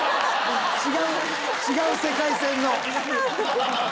違う世界線の。